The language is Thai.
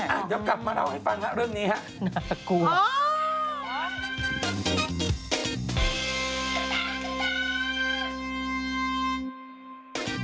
อ้ายังกลับมาเดามันให้ฟังเรื่องนี้ครับ